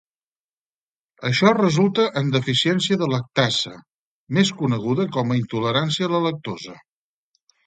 Això resulta en deficiència de lactasa, més coneguda com a intolerància a la lactosa.